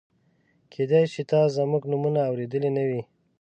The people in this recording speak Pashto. کېدای شي تا زموږ نومونه اورېدلي نه وي.